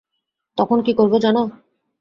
তখন কী করব জানো?